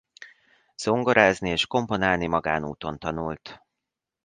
Zongorázni és komponálni magánúton tanult.